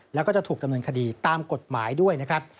แล้วก็จะถูกดำเนินคดีตามกฎหมายด้วยนะครับ